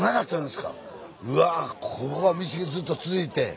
うわここが道がずっと続いて。